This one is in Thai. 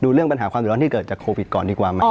เรื่องปัญหาความเดือดร้อนที่เกิดจากโควิดก่อนดีกว่าไหม